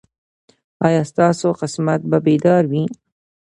ایا ستاسو قسمت به بیدار وي؟